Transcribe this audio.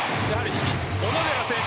小野寺選手